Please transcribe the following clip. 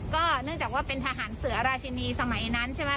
ก็เนื่องจากว่าเป็นทหารเสือราชินีสมัยนั้นใช่ไหม